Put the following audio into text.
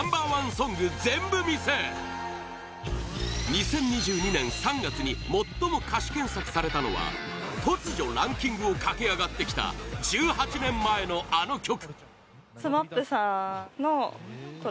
２０２２年３月に最も歌詞検索されたのは突如ランキングを駆け上がってきた１８年前のあの曲